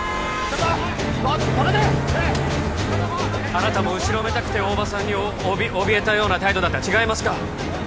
営業終わってますからあなたも後ろめたくて大庭さんにおびおびえたような態度だった違いますか？